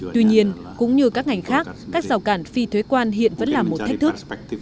tuy nhiên cũng như các ngành khác các rào cản phi thuế quan hiện vẫn là một thách thức